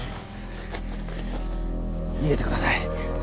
逃げてください。